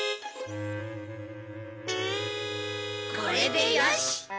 これでよし！